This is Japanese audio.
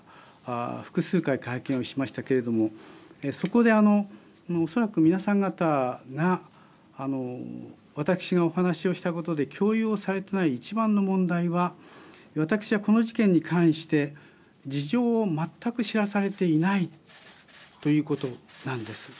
複数回会見をしましたけれどもそこでおそらく皆さん方が私がお話をしたことで共有をされていない一番の問題は私はこの事件に関して事情を全く知らされていないということなんです。